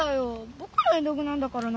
ぼくの絵の具なんだからな！